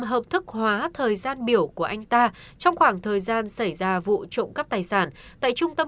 hợp thức hóa thời gian biểu của anh ta trong khoảng thời gian xảy ra vụ trộm cắp tài sản tại trung tâm